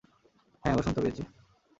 হ্যাঁ, ও শুনতে পেয়েছে!